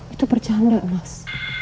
itu bercanda mas